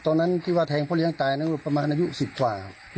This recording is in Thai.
ตอนนั้นที่ว่าแทงพ่อเลี้ยงตายนั้นประมาณอายุ๑๐กว่า